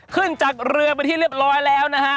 ขึ้นจากเรือเป็นที่เรียบร้อยแล้วนะฮะ